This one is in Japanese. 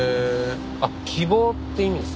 あっ「希望」って意味です。